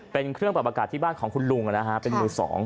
เป็นเครื่องปรับอากาศที่บ้านของคุณลุงเป็นมือ๒